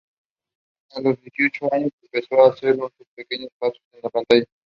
A los dieciocho años empezó a hacer sus pequeños pasos en la pantalla.